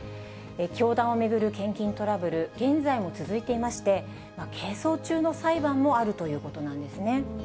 教団を巡る献金トラブル、現在も続いていまして、係争中の裁判もあるということなんですね。